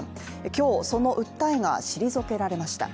今日、その訴えが退けられました。